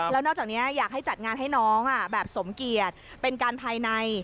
แล้วนอกจากนี้อยากให้จัดงานให้น้องแบบสมเกียจเป็นการภายใน